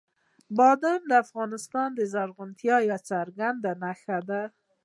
بادام د افغانستان د زرغونتیا یوه څرګنده نښه ده.